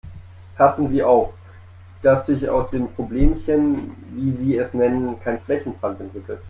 Passen Sie auf, dass sich aus dem Problemchen, wie Sie es nennen, kein Flächenbrand entwickelt.